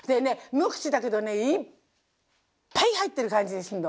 無口だけどねいっぱい入ってる感じがするの。